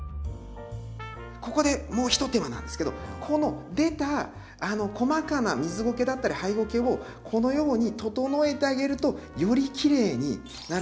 ここでもうひと手間なんですけどこの出た細かな水ゴケだったりハイゴケをこのように整えてあげるとよりきれいになるので。